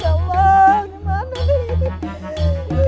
ya allah gimana nih